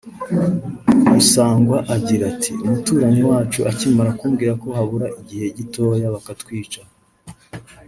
Gasangwa agira ati “umuturanyi wacu akimara kumbwira ko habura igihe gitoya bakatwica